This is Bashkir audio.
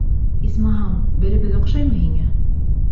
Исмаһам, беребеҙ оҡшаймы һиңә?